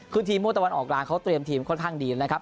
คือทีมมั่ตะวันออกกลางเขาเตรียมทีมค่อนข้างดีนะครับ